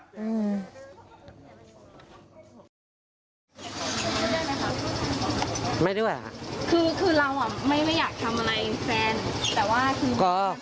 คือเราไม่อยากทำอะไรแฟนแต่ว่าคือ